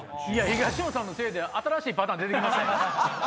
東野さんのせいで新しいパターン出て来ましたよ。